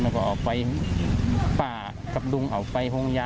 แล้วก็ออกไปป้ากับลุงออกไปห้องยา